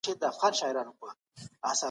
خپلواکي وروسته راځي.